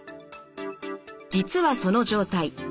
実はその状態